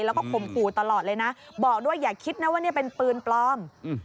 แล้วก็ข่มขู่ตลอดเลยนะบอกด้วยอย่าคิดนะว่านี่เป็นปืนปลอม